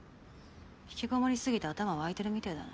引きこもり過ぎて頭わいてるみてぇだな。